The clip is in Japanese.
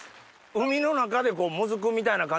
海の中でモズクみたいな感じで。